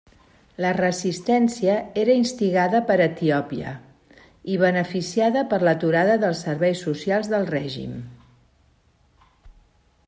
La resistència era instigada per Etiòpia i beneficiada per l'aturada dels serveis socials del règim.